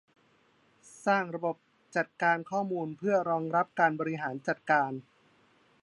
สร้างระบบจัดการข้อมูลเพื่อรองรับการบริหารจัดการ